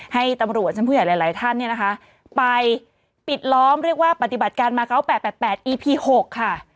ให้ตำรวจชั้นผู้ใหญ่หลายท่านเนี่ยนะคะไปปิดล้อมเรียกว่าปฏิบัติการมาเกาะ๘๘อีพี๖ค่ะ